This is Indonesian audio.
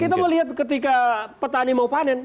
kita melihat ketika petani mau panen